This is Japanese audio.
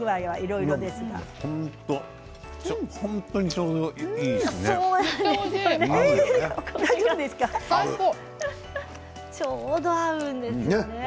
ちょうど合うんですよね。